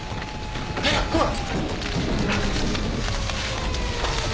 早く来い